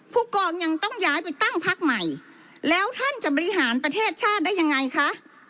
ผู้กองยังต้องย้ายไปตั้งพักใหม่แล้วท่านจะบริหารประเทศชาติได้ยังไงคะ